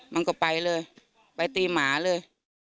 มันก็ไปเลยไปตีหมาเลย